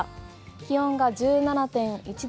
気温が１７．１度。